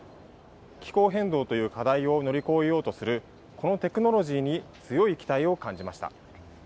気候変動という課題を乗り越えようとするこのテクノロジーに強い期待を感じました。